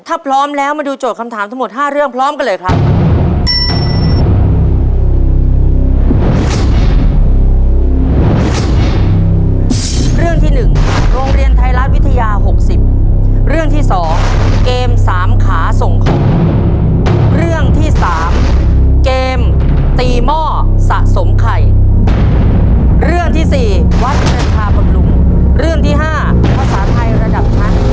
ถ้าพร้อมแล้วมาดูโจทย์คำถามทั้งหมด๕เรื่องพร้อมกันเลยครับ